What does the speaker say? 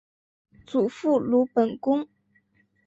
祖父鲁本恭。